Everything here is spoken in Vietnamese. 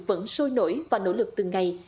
vẫn sôi nổi và nỗ lực từng ngày